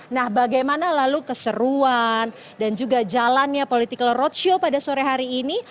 nah bagaimana lalu keseruan dan juga jalannya political roadshow pada sore hari ini